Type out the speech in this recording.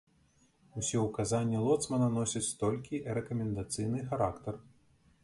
Усе ўказанні лоцмана носяць толькі рэкамендацыйны характар.